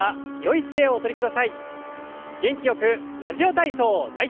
元気よく「ラジオ体操第１」。